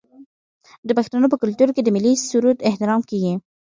د پښتنو په کلتور کې د ملي سرود احترام کیږي.